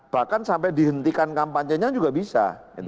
bahkan sampai dihentikan kampanye nya juga bisa